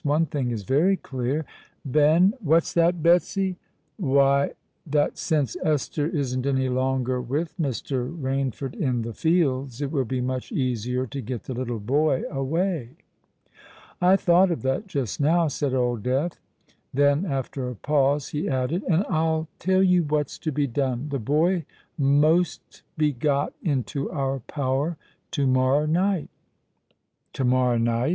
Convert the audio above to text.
"One thing is very clear, Ben——" "What's that, Betsy?" "Why—that since Esther isn't any longer with Mr. Rainford in the Fields, it will be much easier to get the little boy away." "I thought of that just now," said Old Death: then, after a pause, he added, "And I'll tell you what's to be done. The boy most be got into our power to morrow night." "To morrow night!"